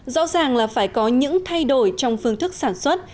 rõ ràng là phải có những thay đổi trong phương thức sản xuất